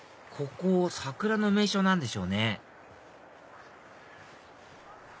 ここ桜の名所なんでしょうね